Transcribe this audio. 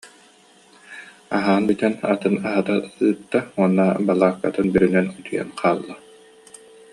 Аһаан бү- тэн атын аһата ыытта уонна балааккатын бүрүнэн утуйан хаалла